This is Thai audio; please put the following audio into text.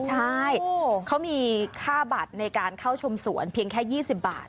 ใช่เขามีค่าบัตรในการเข้าชมสวนเพียงแค่๒๐บาท